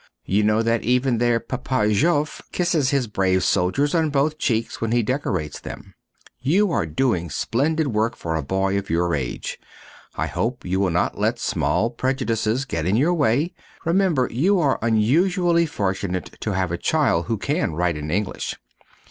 You know that even their "Papa Joffre" kisses his brave soldiers on both cheeks when he decorates them. You are doing splendid work for a boy of your age, and I hope you will not let small prejudices get in your way. Remember you are unusually fortunate to have a child who can write in English.